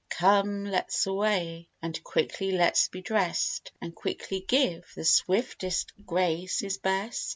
Come, let's away, and quickly let's be drest, And quickly give: the swiftest grace is best.